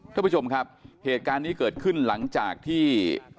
ท่านผู้ชมครับเหตุการณ์นี้เกิดขึ้นหลังจากที่